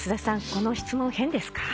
この質問変ですか？